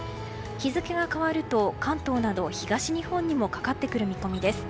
日付が変わると関東など東日本にもかかってくる見込みです。